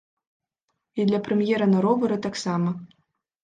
І для прэм'ера на ровары таксама.